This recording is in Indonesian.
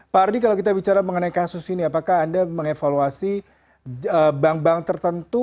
pak ardi kalau kita bicara mengenai kasus ini apakah anda mengevaluasi bank bank tertentu